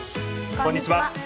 こんにちは。